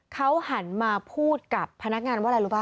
เขาหันมาพูดกับพนักงานว่าอะไรรู้ป่